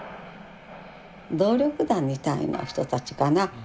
暴力団みたいな人たちかな